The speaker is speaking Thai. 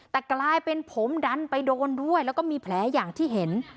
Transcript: แต่กลายเป็นผมดันไปโดนด้วยแล้วก็มีแผลอย่างที่เห็น